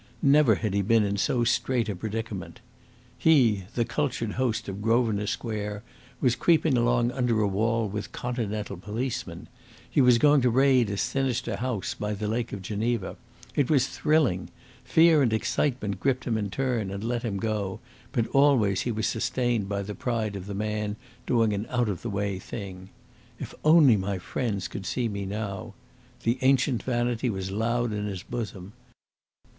Never had he been in so strait a predicament. He, the cultured host of Grosvenor Square, was creeping along under a wall with Continental policemen; he was going to raid a sinister house by the Lake of Geneva. It was thrilling. Fear and excitement gripped him in turn and let him go, but always he was sustained by the pride of the man doing an out of the way thing. "If only my friends could see me now!" The ancient vanity was loud in his bosom.